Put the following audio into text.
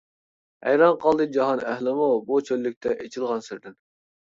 ھەيران قالدى جاھان ئەھلىمۇ، بۇ چۆللۈكتە ئېچىلغان سىردىن.